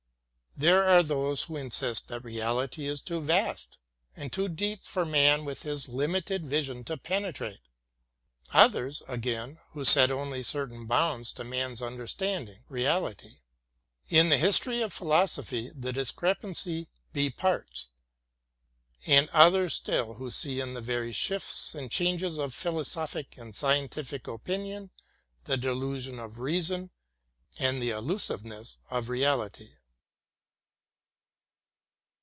There are those who insist that reality is too vast and too deep for man with his limited vision to penetrate ; others, again, who set only certain bounds to man's understanding, reality. In the history of philosophy, the discrepancy be parts; and others still who see in the very shifts and changes of philosophic and scientific opinion the delusion of reason and the illusiveness of reality.